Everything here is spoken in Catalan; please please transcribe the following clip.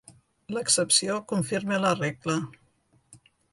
L'excepció confirma la regla.